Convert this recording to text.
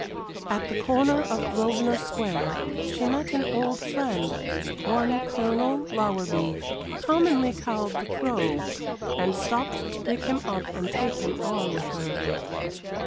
At the corner of Grosvenor Square she met an old friend, one Colonel Lowerby, commonly called the Crow, and stopped to pick him up and take him on with her.